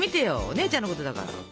お姉ちゃんのことだから。